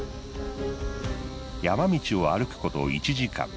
山道を歩くこと１時間。